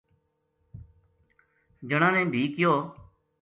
جنا نے بھی کہیو